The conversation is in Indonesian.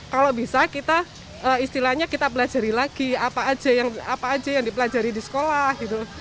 kalau bisa istilahnya kita pelajari lagi apa saja yang dipelajari di sekolah